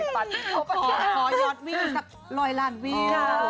ขอยอดวิ่งสักร้อยล้านวิว